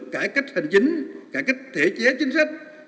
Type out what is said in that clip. cải cách hành chính cải cách thể chế chính sách